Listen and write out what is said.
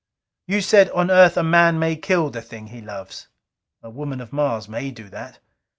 You said, 'On Earth a man may kill the thing he loves.' A woman of Mars may do that!